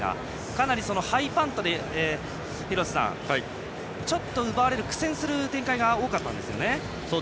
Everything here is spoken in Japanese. かなりハイパントで奪われる苦戦する展開が多かったんですよね。